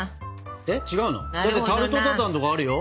タルトタタンとかあるよ。